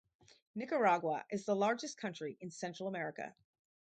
Nicaragua is the largest country in Central America.